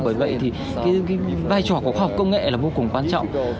bởi vậy thì vai trò của học công nghệ là vô cùng quan trọng